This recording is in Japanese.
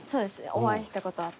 お会いした事あって。